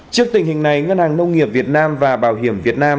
trước tình hình này ngân hàng nông nghiệp việt nam và bảo hiểm việt nam